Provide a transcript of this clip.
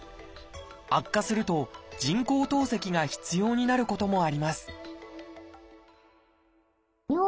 悪化すると人工透析が必要になることもあります